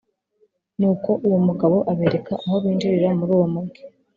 nuko uwo mugabo abereka aho binjirira muri uwo mugi;